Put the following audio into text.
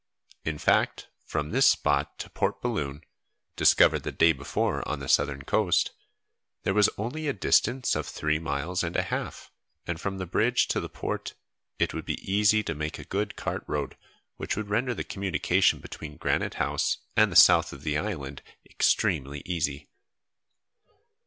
In fact, from this spot, to Port Balloon, discovered the day before on the southern coast, there was only a distance of three miles and a half, and from the bridge to the Port, it would be easy to make a good cart road which would render the communication between Granite House and the south of the island extremely easy.